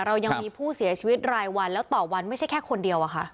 เรายังมีผู้เสียชีวิตรายวันแล้วต่อวันไม่ใช่แค่คนเดียวอะค่ะ